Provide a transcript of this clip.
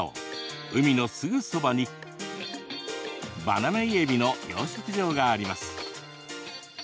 海のすぐそばにバナメイエビの養殖場があります。